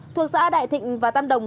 thuộc xã đại thịnh và tam đồng